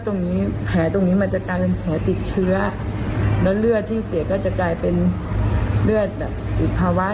ถ้าไม่มีเลือดไปปั่นเป็นเกร็ดเลือดมา